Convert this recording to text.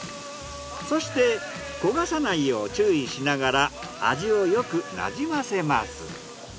そして焦がさないよう注意しながら味をよくなじませます。